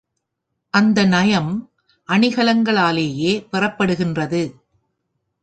அந்த நயம் அணிகளாலேயே பெறப்படுகின்றது.